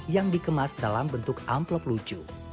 yang dikemas dalam bentuk amplop lucu